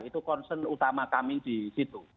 itu concern utama kami di situ